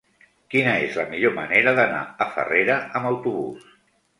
Quina és la millor manera d'anar a Farrera amb autobús?